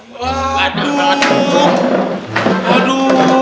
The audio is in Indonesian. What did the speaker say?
beberat akan begitu